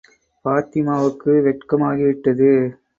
பாத்திமாவுக்கு வெட்கமாகி விட்டது.